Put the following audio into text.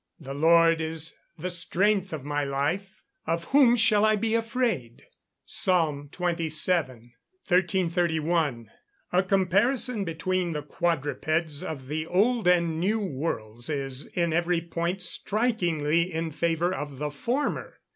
the Lord is the strength of my life; of whom shall I be afraid?" PSALM XXVII.] 1331. A comparison between the quadrupeds of the Old and New Worlds is in every point strikingly in favour of the former.